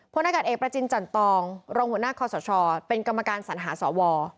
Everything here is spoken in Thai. หน้ากาศเอกประจินจันตองรองหัวหน้าคอสชเป็นกรรมการสัญหาสว